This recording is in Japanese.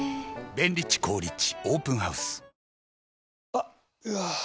あっ、うわー。